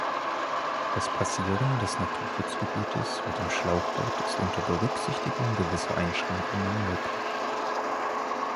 Das Passieren des Naturschutzgebietes mit dem Schlauchboot ist unter Berücksichtigung gewisser Einschränkungen möglich.